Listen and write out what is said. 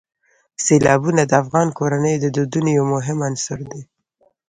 سیلابونه د افغان کورنیو د دودونو یو مهم عنصر دی.